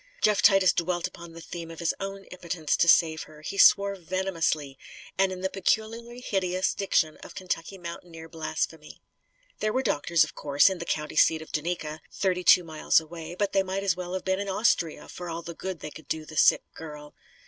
Jeff Titus dwelt upon the theme of his own impotence to save her; he swore venomously, and in the peculiarly hideous diction of Kentucky mountaineer blasphemy. There were doctors, of course, in the county seat of Duneka, thirty two miles away. But they might as well have been in Austria, for all the good they could do the sick girl.